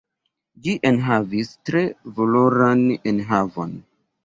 Ĝi enhavis tre valoran enhavon.